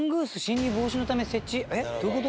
えっどういう事？